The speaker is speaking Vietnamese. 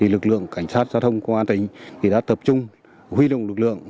lực lượng cảnh sát giao thông công an tỉnh đã tập trung huy động lực lượng